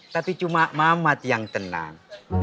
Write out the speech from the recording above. tapi cuma mamat yang tenang